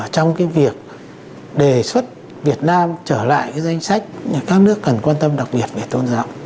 trở lại cái danh sách các nước cần quan tâm đặc biệt về tôn giáo